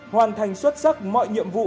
hoàn thành xuất sắc mọi nhiệm vụ